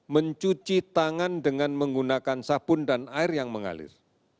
mencuci tangan dengan menggunakan sabun dan air yang mengalir